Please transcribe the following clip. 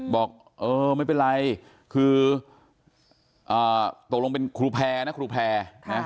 บอกเออไม่เป็นไรคือตกลงเป็นครูแพร่นะครูแพร่